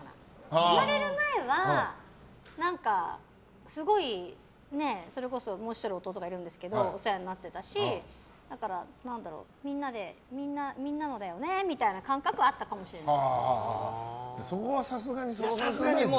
生まれる前は、それこそもう１人、弟がいるんですけどお世話になってたしみんなのだよねみたいな感覚はあったかもしれない。